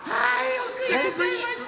よくいらっしゃいました！